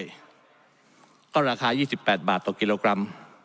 ก็ราคา๒๘บาทต่อกิโลกรัม